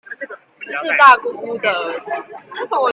是大姑姑的兒子